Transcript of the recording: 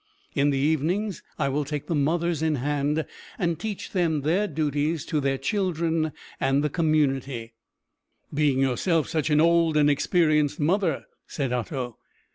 In the evenings I will take the mothers in hand, and teach them their duties to their children and the community " "Being yourself such an old and experienced mother," said Otto.